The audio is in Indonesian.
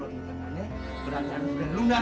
berarti anda sudah luna